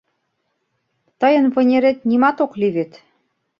— Тыйын вынерет нимат ок лий вет.